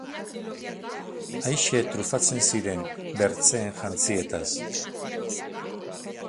Aise trufatzen ziren bertzeen jantzietaz.